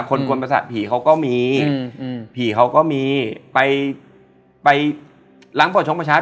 คนกวนประสาทผีเขาก็มีอืมผีเขาก็มีไปไปหลังประชงประชา